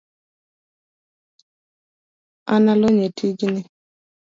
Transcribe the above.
An alony e tijni